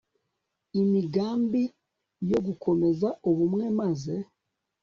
imigambi yo gukomeza ubumwe, maze